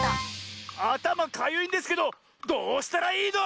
「あたまかゆいんですけどどうしたらいいの⁉」。